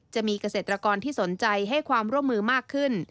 จะมีเกษตรกรที่สนใจให้ความร่วมมือมากขึ้น